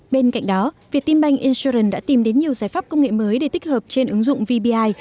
bên cạnh đó việt tim bank insurance đã tìm đến nhiều giải pháp công nghệ mới để tích hợp trên ứng dụng vbi